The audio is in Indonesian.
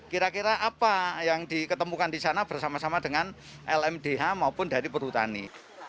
kira kira apa yang diketemukan di sana bersama sama dengan lmdh maupun dari perhutani